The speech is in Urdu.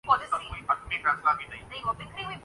ٹیبل ٹینس کھلاڑی مہک کو وزیراعظم کا وعدہ وفا ہونے کا انتظار